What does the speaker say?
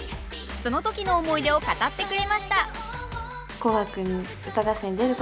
その時の思い出を語ってくれました。